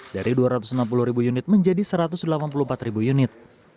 dari dua ratus enam puluh ribu unit menjadi satu ratus delapan puluh empat ribu unit